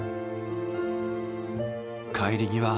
帰り際